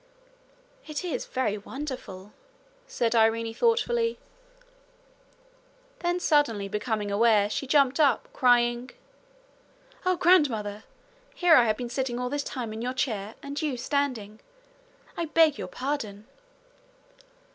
'It is very wonderful!' said Irene thoughtfully. Then suddenly becoming aware, she jumped up, crying: 'Oh, grandmother! here have I been sitting all this time in your chair, and you standing! I beg your pardon.'